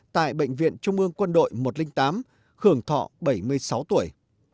tại bệnh viện trung ương quân đội một trăm linh tám hưởng thọ bảy mươi sáu tuổi